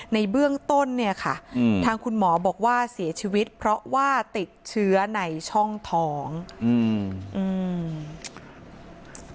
ในเบื้องต้นเนี่ยค่ะอืมทางคุณหมอบอกว่าเสียชีวิตเพราะว่าติดเชื้อในช่องท้องอืมอืม